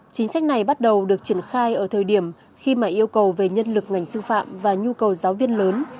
chính sách này bắt đầu được triển khai ở thời điểm khi mà yêu cầu về nhân lực ngành sư phạm và nhu cầu giáo viên lớn